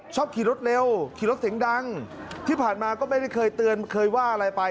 ขี่รถเร็วขี่รถเสียงดังที่ผ่านมาก็ไม่ได้เคยเตือนเคยว่าอะไรไป